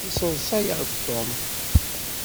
Yesseḍṣa-yaɣ-d Tom.